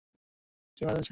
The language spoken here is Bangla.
আমার কিছু কাজ আছে।